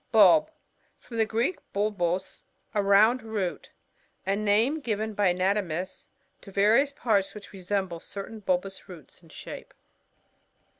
Bulb. — From the Greek, bolboSt a roand root. A name given by an atomists, to various part^ which resemble certain bulbous roots in shape.